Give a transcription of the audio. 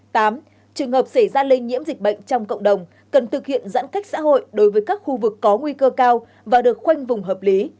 tám trường hợp xảy ra lây nhiễm dịch bệnh trong cộng đồng cần thực hiện giãn cách xã hội đối với các khu vực có nguy cơ cao và được khoanh vùng hợp lý